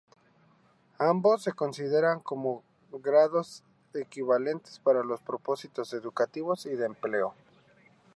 Ambos se consideran como grados equivalentes para los propósitos educativos y de empleo.